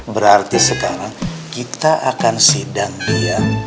berarti sekarang kita akan sedang diam